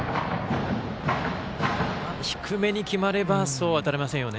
低めに決まればそうは打たれませんよね。